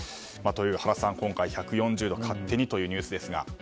原さん、今回１４０度勝手にというニュースですが。